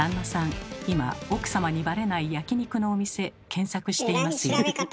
今奥様にバレない焼肉のお店検索していますよ。